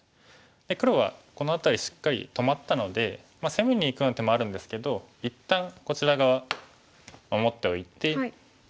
黒はこの辺りしっかり止まったので攻めにいくような手もあるんですけど一旦こちら側守っておいて。